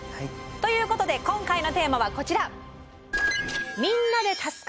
ということで今回のテーマはこちら。